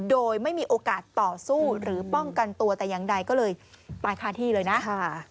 โดยไม่มีโอกาสต่อสู้หรือป้องกันตัวแต่อย่างใดก็เลยตายคาที่เลยนะ